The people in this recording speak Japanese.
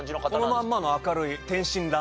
このまんまの明るい。